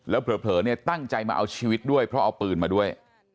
แล้วเผลอเนี่ยตั้งใจมาเอาชีวิตด้วยเพราะเอาปืนมาด้วย